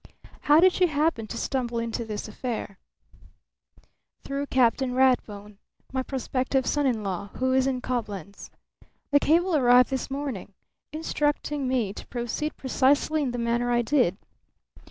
How did you happen to stumble into this affair?" "Through Captain Rathbone, my prospective son in law, who is in Coblenz. A cable arrived this morning, instructing me to proceed precisely in the manner I did.